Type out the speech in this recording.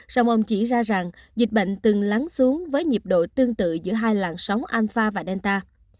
song ông chỉ ra rằng dịch bệnh từng lắng xuống với nhiệp độ tương tự giữa hai làn sóng alpha và delta